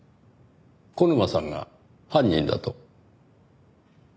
小沼さんが犯人だと？